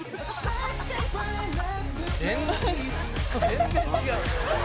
「全然違う」